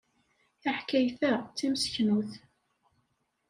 Taḥkayt-a d timseknut.